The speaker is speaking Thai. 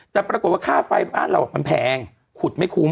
แต่ปรากฏว่าค่าไฟบ้านเรามันแพงขุดไม่คุ้ม